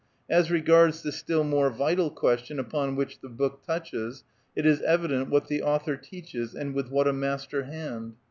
As regards tlie still more vital question upon which the book touches, it is evident what the author teaches, and with what a master hand